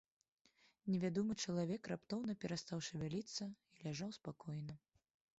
Невядомы чалавек раптоўна перастаў шавяліцца і ляжаў спакойна.